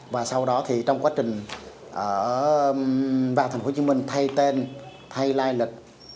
và sau đó thì trong quá trình vào thành phố hồ chí minh thay tên thay lai lịch